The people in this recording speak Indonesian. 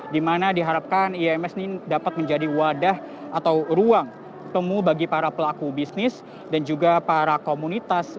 di mana diharapkan ims ini dapat menjadi wadah atau ruang temu bagi para pelaku bisnis dan juga para komunitas